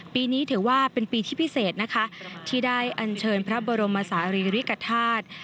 ปีนี้ถือว่าเป็นปีที่พิเศษนะคะที่ได้อันเชิญพระบรมศาลีริกฐาตุ